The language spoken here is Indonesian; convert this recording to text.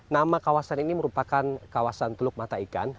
nama kawasan ini merupakan kawasan teluk mata ikan